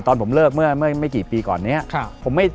ตอนผมเลิกเมื่อไม่กี่ปีก่อนเนี่ย